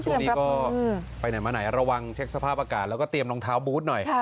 ช่วงนี้ก็ไปไหนมาไหนระวังเช็คสภาพอากาศแล้วก็เตรียมรองเท้าบูธหน่อย